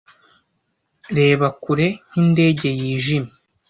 reba kure nk'indege yijimye